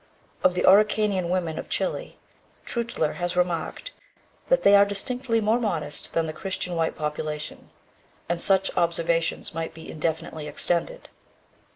Of the Araucanian women of Chile, Treutler has remarked that they are distinctly more modest than the Christian white population, and such observations might be indefinitely extended.